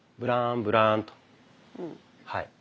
はい。